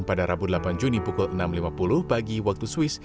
pada rabu delapan juni pukul enam lima puluh pagi waktu swiss